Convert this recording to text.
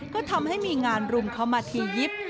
ก็ทำให้มีงานรุมเข้ามาทียิบ